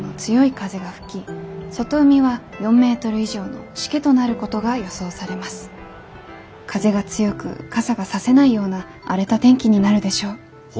風が強く傘がさせないような荒れた天気になるでしょう。